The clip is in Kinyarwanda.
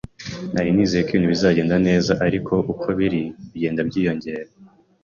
Nari nizeye ko ibintu bizagenda neza, ariko uko biri, bigenda byiyongera.